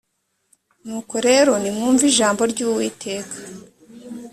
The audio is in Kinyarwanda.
nuko rero nimwumve ijambo ry uwiteka